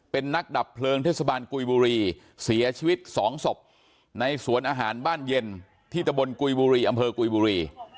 เป็นนักดับเพลิงเทศบาลกุยบุรีเสียชีวิตสองศพในสวนอาหารบ้านเย็นที่ตะบนกุยบุรีอำเภอกุยบุรี